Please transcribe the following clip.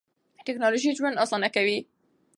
ټکنالوژي ژوند اسانه کوي.